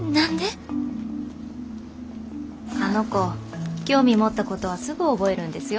あの子興味持ったことはすぐ覚えるんですよ。